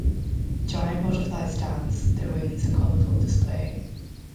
Giant butterflies dance, their wings a colorful display,